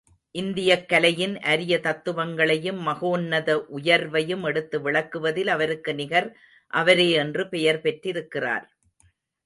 இந்தியக் கலையின் அரிய தத்துவங்களையும், மகோன்னத உயர்வையும் எடுத்து விளக்குவதில் அவருக்கு நிகர் அவரே என்று பெயர் பெற்றிருக்கிறார்.